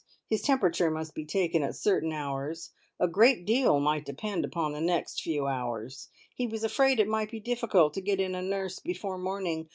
His temperature must be taken at certain hours. A great deal might depend upon the next few hours. He was afraid it might be difficult to get in a nurse before morning.